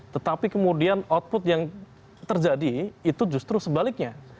tetapi kemudian output yang terjadi itu justru sebaliknya